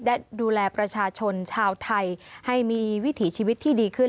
และดูแลประชาชนชาวไทยให้มีวิถีชีวิตที่ดีขึ้น